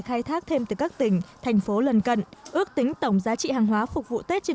khai thác thêm từ các tỉnh thành phố lần cận ước tính tổng giá trị hàng hóa phục vụ tết trên